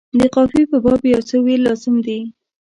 د قافیې په باب یو څه ویل لازم دي.